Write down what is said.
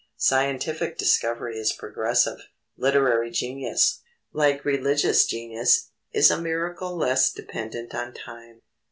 Scientific discovery is progressive. Literary genius, like religious genius, is a miracle less dependent on time.